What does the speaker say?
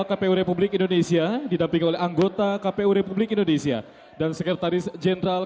kpu republik indonesia didampingi oleh anggota kpu republik indonesia dan sekretaris jenderal